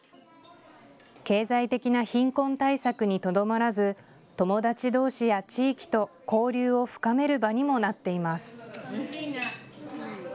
経済的な貧困対策にとどまらず友達どうしや地域と交流を深める場にもなっています。